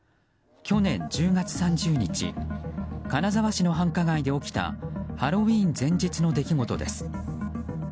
去年１０月３０日金沢市の繁華街で起きたハロウィーン前日の出来事です。